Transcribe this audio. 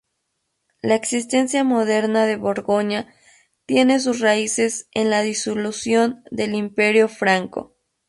La existencia moderna de Borgoña tiene sus raíces en la disolución del imperio franco.